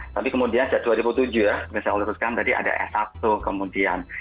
tapi kemudian sejak dua ribu tujuh ya saya luruskan tadi ada s satu kemudian